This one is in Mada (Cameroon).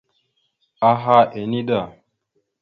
Aha ene da.